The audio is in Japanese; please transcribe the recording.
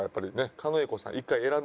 狩野英孝さん